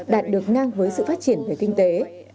đạt được ngang với sự phát triển về kinh tế